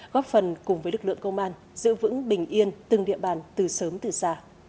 góp phần cùng với lực lượng công an giữ vững bình yên từng địa bàn từ sớm từ xa